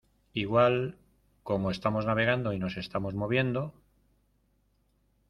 igual, como estamos navegando y nos estamos moviendo